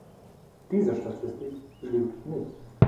Diese Statistik lügt nicht.